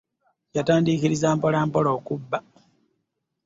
Yatandikiriza mpola okubba.